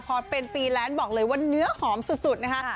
พอเป็นฟรีแลนซ์บอกเลยว่าเนื้อหอมสุดนะคะ